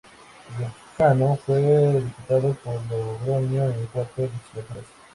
Riojano, fue diputado por Logroño en cuatro legislaturas.